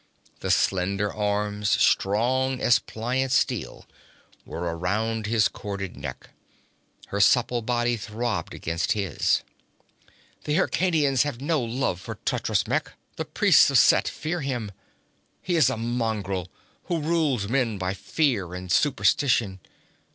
The slender arms, strong as pliant steel, were around his corded neck. Her supple body throbbed against his. 'The Hyrkanians have no love for Totrasmek. The priests of Set fear him. He is a mongrel, who rules men by fear and superstition.